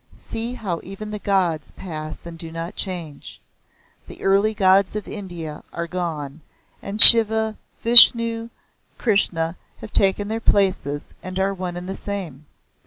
See how even the gods pass and do not change! The early gods of India are gone and Shiva, Vishnu, Krishna have taken their places and are one and the same.